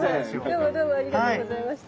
どうもどうもありがとうございました。